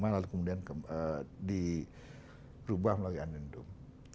lalu kemudian dirubah melalui anindum